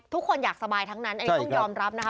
ทุกคนอยากสบายทั้งนั้นอันนี้ต้องยอมรับนะคะ